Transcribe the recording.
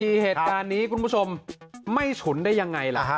มีเหตุการณ์นี้คุณผู้ชมไม่ฉุนได้ยังไงล่ะฮะ